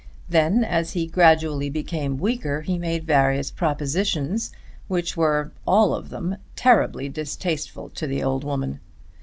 Then, as he gradually became weaker he made various propositions which were all of them terribly distasteful to the old woman.